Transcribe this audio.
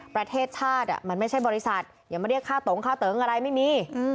ประเทศชาติมันไม่ใช่บริษัทอย่ามาเรียกค่าตงค่าเติงอะไรไม่มี